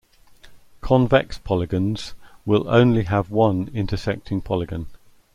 Convex polygons will only have one intersecting polygon.